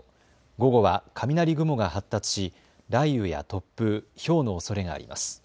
午後は雷雲が発達し、雷雨や突風、ひょうのおそれがあります。